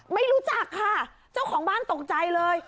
ไม่รู้จักค่ะเจ้าของบ้านตกใจเลย